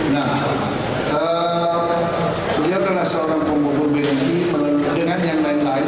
nah beliau adalah seorang pemukul bni dengan yang lain lain